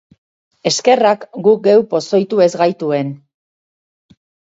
Eskerrak guk geu pozoitu ez gaituen.